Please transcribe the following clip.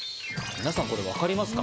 皆さんこれ分かりますか？